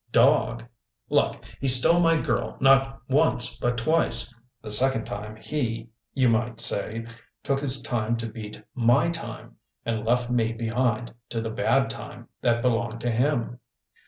Dog? Look, he stole my girl not once but twice. The second time he, you might say, took his time to beat my time and left me behind to the bad time that belonged to him.